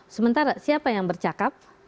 sementara siapa yang bercakap